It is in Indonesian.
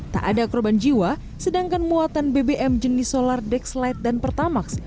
tak ada korban jiwa sedangkan muatan bbm jenis solar dexlight dan pertamax